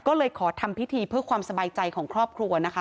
ก็เลยขอทำพิธีเพื่อความสบายใจของครอบครัวนะคะ